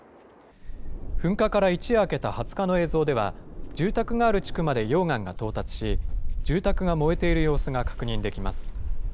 噴火から一夜明けた２０日の映像では、住宅のある地区まで溶岩が到達し、住宅が燃えている様子が確認できます。